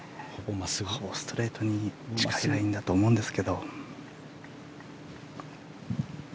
ほぼストレートに近いラインだと思います。